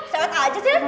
selesai aja sih